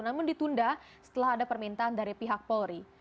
namun ditunda setelah ada permintaan dari pihak polri